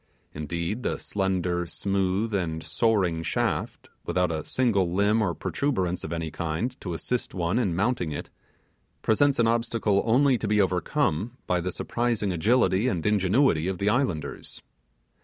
Indeed the slender, smooth, and soaring shaft, without a single limb or protuberance of any kind to assist one in mounting it, presents an obstacle only to be overcome by the surprising agility and ingenuity of the islanders.